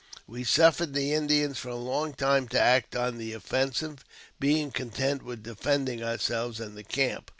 We suffered the Indians for a long time to act on the offensive, being content with defending ourselves and the camp.